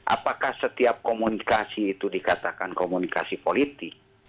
apakah setiap komunikasi itu dikatakan komunikasi politik